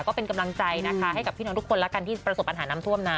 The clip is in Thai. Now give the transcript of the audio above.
ก็เป็นกำลังใจนะคะให้กับพี่น้องทุกคนแล้วกันที่ประสบปัญหาน้ำท่วมนะ